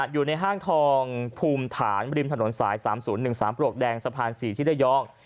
อยู่ในห้างทองภูมิฐานริมถนนสาย๓๐๑๓ปลวกแดงสะพาน๔ที่ระยอง